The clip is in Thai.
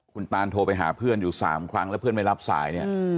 คุณตานโทรไปหาเพื่อนอยู่๓ครั้งแล้วเพื่อนไม่รับสายเนี่ย